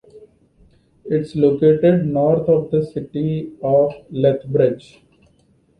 It is located north of the city of Lethbridge.